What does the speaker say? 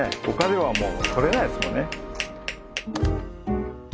他ではもう撮れないですもんね。